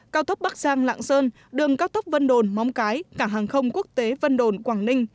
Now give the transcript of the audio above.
cao tốc bắc giang lạng sơn đường cao tốc vân đồn móng cái cảng hàng không quốc tế vân đồn quảng ninh